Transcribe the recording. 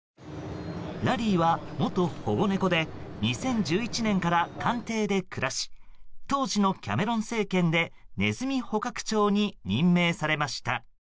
ラリーは、元保護猫で２０１１年から官邸で暮らし当時のキャメロン政権でネズミ捕獲長に任命されました。